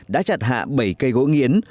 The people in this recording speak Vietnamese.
đã chặt hạ bảy cây gỗ nghiến